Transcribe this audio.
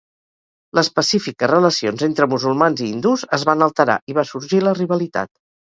Les pacífiques relacions entre musulmans i hindús es van alterar i va sorgir la rivalitat.